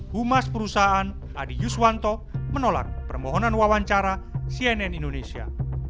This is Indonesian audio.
humas perusahaan adi yuswanto menolak permohonan wawancara cnn indonesia